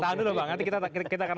tahan dulu bang nanti kita akan